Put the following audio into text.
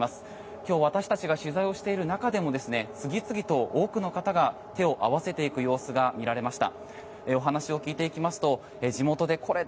今日、私たちが取材をしている中でも次々と多くの方が手を合わせていく様子が見られました。